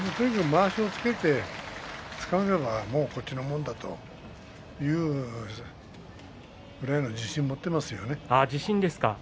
まわしをつかめばこっちのものというぐらいの自信を持っていますよね。